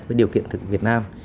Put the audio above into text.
với điều kiện thực việt nam